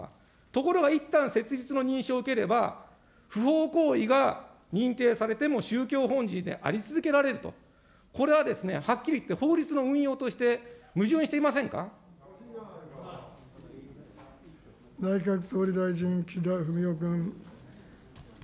ところが、いったん設立の認証を受ければ、不法行為が認定されても宗教法人であり続けられると、これはですね、はっきり言って法律の運用として矛盾していません内閣総理大臣、岸田文雄君。